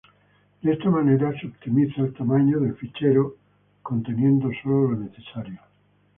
De esta manera se optimiza el tamaño del fichero, conteniendo sólo lo necesario.